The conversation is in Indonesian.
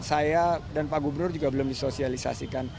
saya dan pak gubernur juga belum disosialisasikan